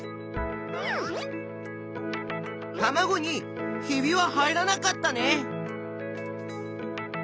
たまごに「ひび」は入らなかったね。